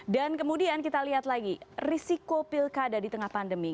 dan kemudian kita lihat lagi risiko pilkada di tengah pandemi